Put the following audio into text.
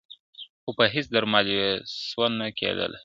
خو په هیڅ درمل یې سوده نه کېدله !.